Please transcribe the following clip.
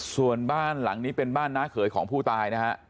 ส่วนบ้านหลังนี้เป็นบ้านน้าเขยของผู้ตายนะฮะ